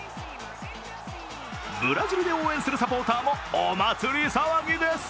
ブラジルで応援するサポーターもお祭り騒ぎです。